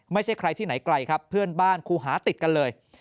ไม่ใช่ใครที่ไหนไกลครับเพื่อนบ้านครูหาติดกันเลย